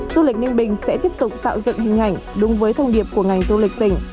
du lịch ninh bình sẽ tiếp tục tạo dựng hình ảnh đúng với thông điệp của ngành du lịch tỉnh